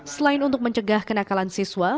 selain untuk mencegah kenakalan siswa